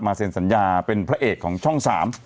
เซ็นสัญญาเป็นพระเอกของช่อง๓